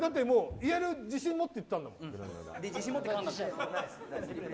言える自信持って言ってたもん。